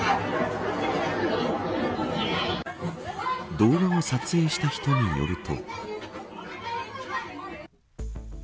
動画を撮影した人によると。